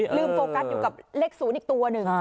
ลืมโฟกัสอยู่กับเลขสูงอีกตัวนึง